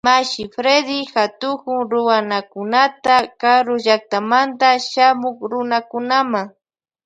Mashi Fredy katukun Ruanakunata karu llaktamanta shamuk Runakunama.